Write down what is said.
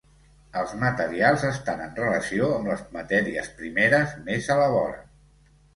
Els materials estan en relació amb les matèries primeres més a la vora.